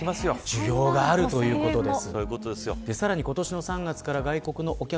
需要があるということです。